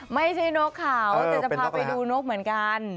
นกเขาแต่จะพาไปดูนกเหมือนกัน